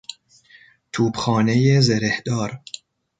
توپخانهی زرهدار